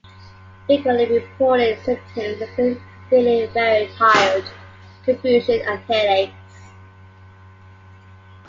Frequently reported symptoms include feeling very tired, confusion, and headaches.